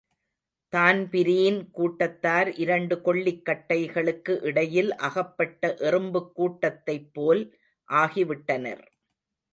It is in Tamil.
தான்பிரீன் கூட்டத்தார் இரண்டு கொள்ளிக்கட்டைகளுக்கு இடையில் அகப்பட்ட எறும்புக் கூட்டத்தைப்போல் ஆகிவிட்டனர்.